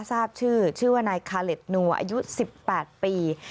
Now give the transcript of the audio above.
ทราบชื่อชื่อว่านายคาเล็ดนัวอายุ๑๘ปี